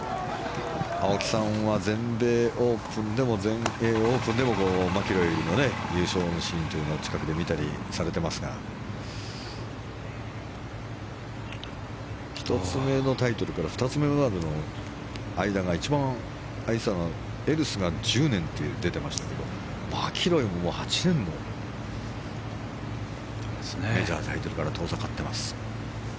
青木さんは全米オープンでも全英オープンでもマキロイの優勝のシーンというのを近くで見たりされていますが１つ目のタイトルから２つ目のタイトルの間が一番空いていたのはエルスが１０年と出ていましたけどマキロイも８年もメジャータイトルから遠ざかっています。